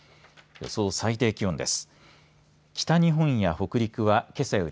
予想最低気温です。